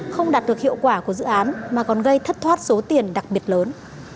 không đạt được hiệu quả của dự án mà còn gây thất thoát số tiền đặc biệt lớn